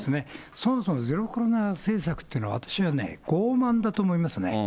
そもそもゼロコロナ政策っていうのは、私はね、ごう慢だと思いますね。